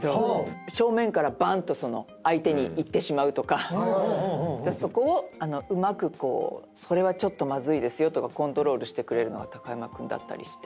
正面からバンと相手にいってしまうとかそこをうまくそれはちょっとまずいですよとかコントロールしてくれるのは貴山君だったりして。